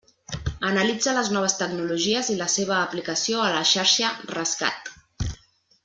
Analitza les noves tecnologies i la seva aplicació a la xarxa Rescat.